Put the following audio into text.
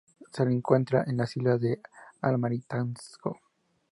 Se lo encuentra en las islas del Almirantazgo.